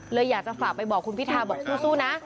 เลยอยากจะฝากไปบอกคุณพิทาบอกสู้นะ